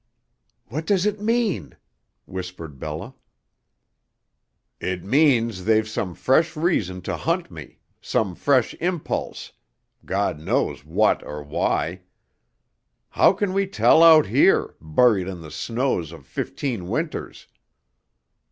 "What does it mean?" whispered Bella. "It means they've some fresh reason to hunt me some fresh impulse God knows what or why. How can we tell out here, buried in the snows of fifteen winters.